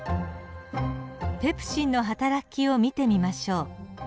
ペプシンの働きを見てみましょう。